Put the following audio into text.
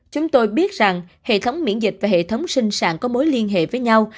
chúng tôi biết rằng hệ thống miễn dịch và hệ thống sinh sản có mối liên hệ với nhau